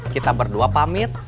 kita berdua pamit